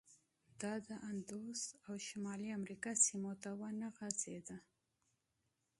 دا د اندوس او شمالي امریکا سیمو ته ونه غځېد.